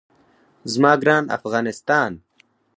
زما ګران افغانستان.